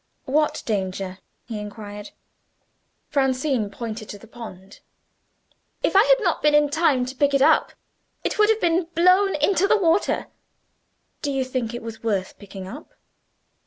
"What danger?" he inquired. Francine pointed to the pond. "If I had not been in time to pick it up, it would have been blown into the water." "Do you think it was worth picking up?"